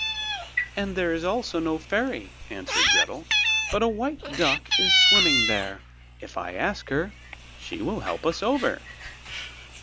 'And there is also no ferry,' answered Gretel, 'but a white duck is swimming there: if I ask her, she will help us over.